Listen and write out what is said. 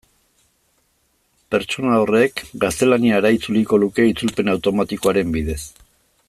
Pertsona horrek gaztelaniara itzuliko luke itzulpen automatikoaren bidez.